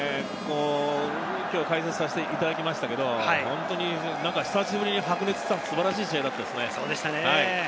今日解説させていただきましたけれど、久しぶりに白熱した素晴らしい試合だったです。